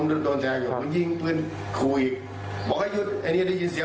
อยู่ภาคหนึ่งที่ได้ร้อยเวรมาช่วยก็ดี